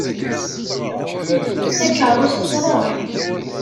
Takerrust truḥ.